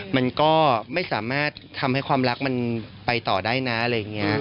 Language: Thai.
มันก็ไม่สามารถทำให้ความรักมันไปต่อได้นะอะไรอย่างนี้